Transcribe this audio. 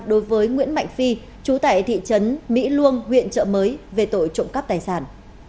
đối với nguyễn mạnh phi chú tại thị trấn mỹ luông huyện trợ mới về tội trộm cắp tài sản